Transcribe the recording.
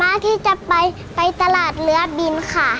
หน้าที่จะไปไปตลาดเนื้อดินค่ะ